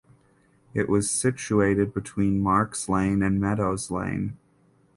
It was situated between Marks Lane and Meadows Lane.